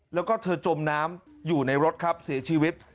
แล้วก็เธอจมน้ำอยู่ในรถครับเสียชีวิต